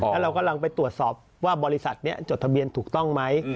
แล้วเรากำลังไปตรวจสอบว่าบริษัทนี้จดทะเบียนถูกต้องไหม